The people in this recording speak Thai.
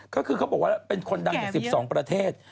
ก็คือเขาบอกว่าเป็นคนดังจาก๑๒ประเทศ